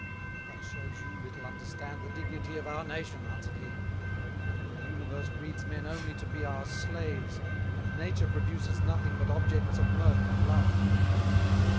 "That shews you little understand the Dignity of our Nation," answered he, "for whom the Universe breeds Men only to be our Slaves, and Nature produces nothing but objects of Mirth and Laughter."